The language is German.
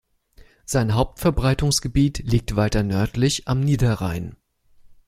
Sein Hauptverbreitungsgebiet liegt weiter nördlich am Niederrhein.